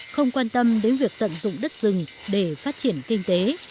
không quan tâm đến việc tận dụng đất rừng để phát triển kinh tế